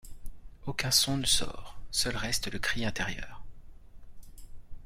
Aucun son ne sort, seul reste le cri intérieur.